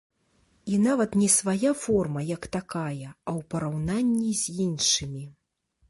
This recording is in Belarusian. І нават не свая форма як такая, а ў параўнанні з іншымі.